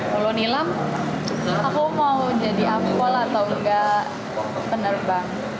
kalau nilam aku mau jadi ampol atau enggak penerbang